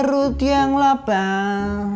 perut perut yang lapar